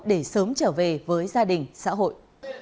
để sớm trở về với gia đình xã hội